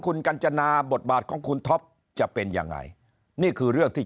คุณกัญจนาบทบาทของคุณท็อปจะเป็นยังไงนี่คือเรื่องที่